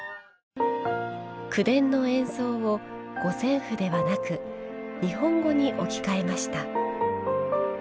口伝の演奏を、五線譜ではなく日本語に置き換えました。